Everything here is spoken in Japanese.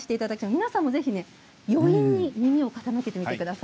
皆さんも余韻に耳を傾けてください。